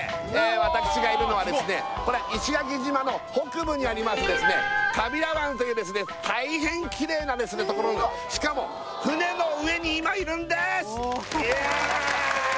私がいるのはですね石垣島の北部にありますですね川平湾というですね大変きれいなところしかも船の上に今いるんですいや！